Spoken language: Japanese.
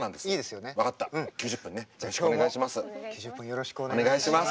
よろしくお願いします。